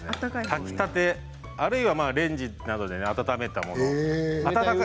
炊きたてあるいはレンジなどで温めたもの。